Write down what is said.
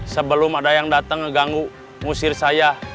sebelum ada yang dateng ngeganggu musir saya